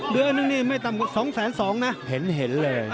เดือนนี้ไม่ต่ำกว่า๒๒๐๐๐นะเห็นเห็นเลย